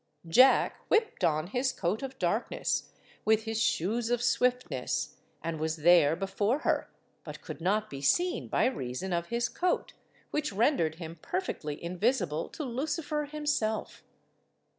Jack whipped on his coat of darkness, with his shoes of swiftness, and was there before her, but could not be seen by reason of his coat, which rendered him perfectly invisible to Lucifer himself.